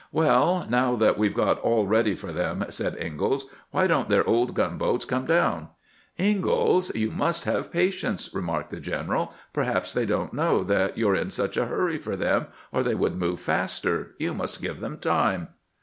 " WeU, now that we 've got aU ready for them," said Ingalls, " why don't their old gunboats come down ?"" Ingalls, you must have pa tience," remarked the general ;" perhaps they don't know that you 're in such a hurry for them, or they would move faster; you must give them time."